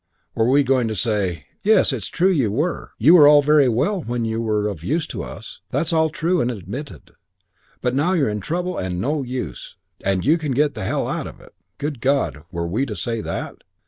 Were we going to say, "Yes, it's true you were here. You were all very well when you were of use to us; that's all true and admitted; but now you're in trouble and you're no use to us; you're in trouble and no use, and you can get to hell out of it." Good God, were we to say that?'